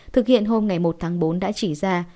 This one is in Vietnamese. thực hiện hôm một tháng bốn đã chỉ ra